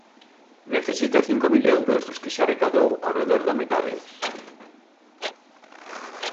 Necesita cinco mil euros, dos que xa recadou ao redor da metade.